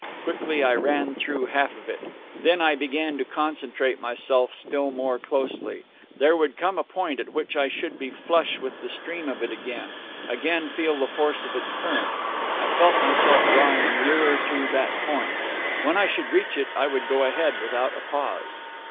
Quickly I ran through half of it. Then I began to concentrate myself still more closely. There would come a point at which I should be flush with the stream of it again, again feel the force of its current; I felt myself drawing nearer to that point; when I should reach it I would go ahead without a pause...